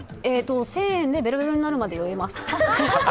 １０００円でべろべろになるまで酔えます。